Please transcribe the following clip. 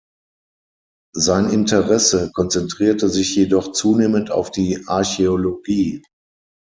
Sein Interesse konzentrierte sich jedoch zunehmend auf die Archäologie.